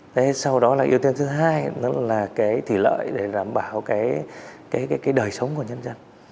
thế sau đó là ưu tiên thứ hai nữa là cái thủy lợi để đảm bảo cái đời sống của nhân dân